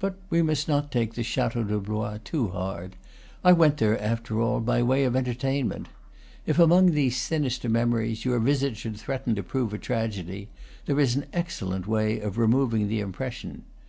But we must not take the Chateau de Blois too hard: I went there, after all, by way of entertainment. If among these sinister memories your visit should threaten to prove a tragedy, there is an excellent way of removing the impression.